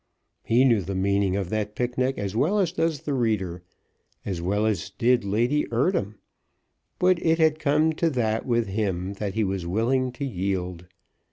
He knew the meaning of that picnic as well as does the reader, as well as did Lady Eardham; but it had come to that with him that he was willing to yield.